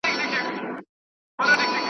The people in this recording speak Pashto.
نیمي مړۍ ته تر بازاره یوسي .